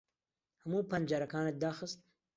ھەموو پەنجەرەکانت داخست؟